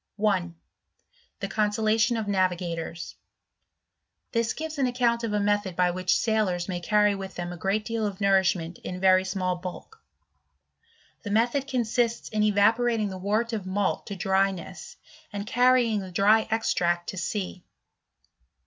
1. The Consolation of "Navigators. This gives an account of a method by which sailors may carry with them a great deal of nourishment in very small bulk* The method consists in evaporating the wort of malt ^ to dryness, and carrying the dry extract to sea.